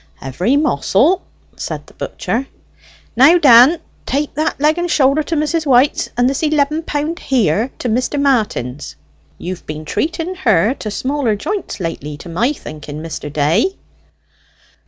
"Every mossel," said the butcher "(now, Dan, take that leg and shoulder to Mrs. White's, and this eleven pound here to Mr. Martin's) you've been treating her to smaller joints lately, to my thinking, Mr. Day?"